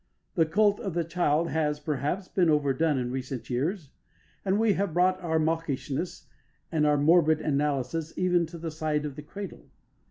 The cult of the child has, perhaps, been overdone in recent years, and we have brought our mawkishness and our morbid analysis even to the side of the cradle.